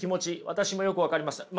私もよく分かります。